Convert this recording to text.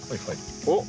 おっ！